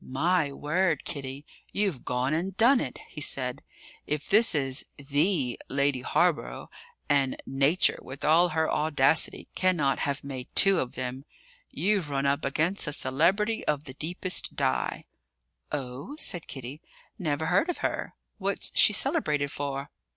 "My word, Kitty, you've gone and done it!" he said. "If this is the Lady Hawborough and Nature, with all her audacity, cannot have made two of them you've run up against a celebrity of the deepest dye." "Oh?" said Kitty. "Never heard of her. What's she celebrated for?"